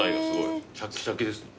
シャキシャキです。